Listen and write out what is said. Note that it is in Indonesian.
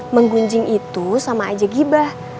menggunjing itu sama aja gibah